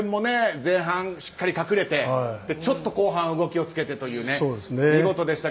前半、しっかり隠れてちょっと後半動きを付けて見事でしたが。